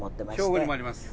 兵庫にもあります。